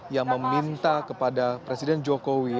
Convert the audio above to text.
yang meminta kepada presiden jokowi